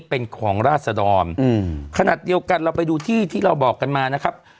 เป็นของราศดรอืมขนาดเดียวกันเราไปดูที่ที่เราบอกกันมานะครับ